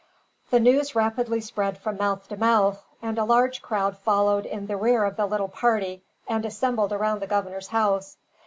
The news rapidly spread from mouth to mouth, and a large crowd followed in the rear of the little party, and assembled around the governor's house.